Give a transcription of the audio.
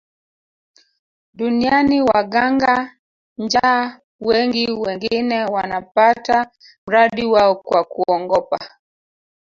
Duniani waganga njaa wengi wengine wanapata mradi wao kwa kuongopa